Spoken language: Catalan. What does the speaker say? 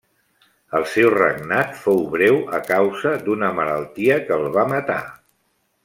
El seu regnat fou breu a causa d'una malaltia que el va matar.